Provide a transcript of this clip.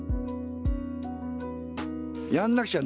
やんなくちゃ